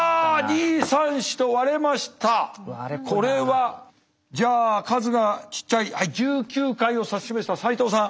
これはじゃあ数がちっちゃい１９回を指し示した斎藤さん。